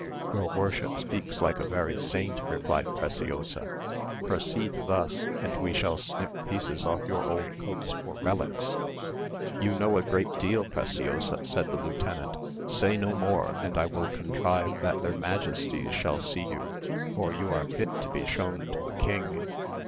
"Your worship speaks like a very saint," replied Preciosa; "proceed thus, and we shall snip pieces off your old coats for relics." "You know a great deal, Preciosa," said the lieutenant; "say no more, and I will contrive that their majesties shall see you, for you are fit to be shown to a king."